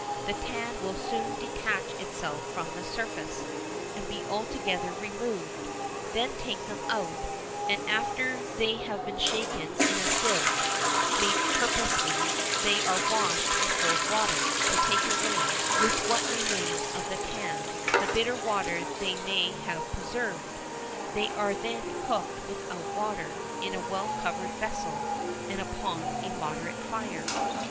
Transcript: The tan will soon detach itself from their surface, and be altogether removed; then take them out, and after they have been shaken in a sieve made purposely, they are washed in cold water, to take away, with what remains of the tan, the bitter water they may have preserved; they are then cooked without water, in a well covered vessel, and upon a moderate fire.